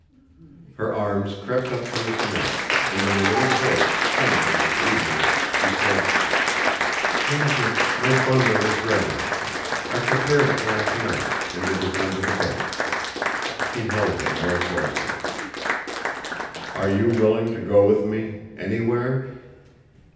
Her arms crept up to his neck, and in a little voice trembling with eagerness she said, "Roger, my bundle is ready. I prepared it last night and it is under the bed." He held her more closely. "And you are willing to go with me anywhere?"